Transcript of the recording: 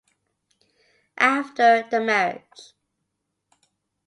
After the marriage.